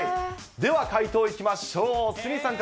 では、解答いきましょう。